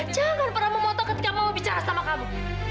jangan pernah memoto ketika mau bicara sama kamu